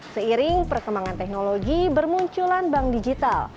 seiring perkembangan teknologi bermunculan bank digital